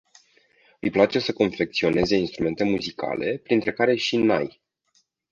Îi place să confecționeze instrumente muzicale, printre care și nai.